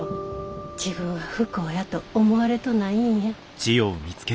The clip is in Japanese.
自分は不幸やと思われとうないんや。